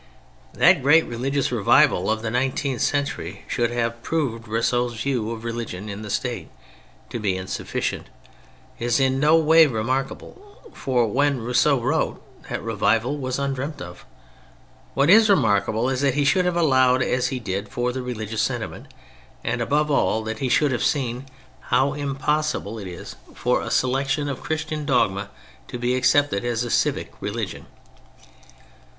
That the great religious revival of the nine teenth century should have proved Rousseau's view of religion in the State to be insufficient is in no way remarkable, for when Rousseau wrote, that revival was undreamt of ; what is remarkable is that he should have allowed as he did for the religious sentiment, and above all, that he should have seen how B 2 S6 THE FRENCH REVOLUTION impossible it is for a selection of Christian dogma to be accepted as a civic religion.